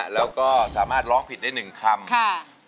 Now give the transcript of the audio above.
แล้วก็สามารถร้องผิดได้๑คำค่ะ